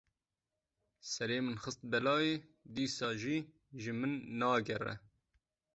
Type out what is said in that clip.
Serê min xist belayê dîsa jî ji min nagere.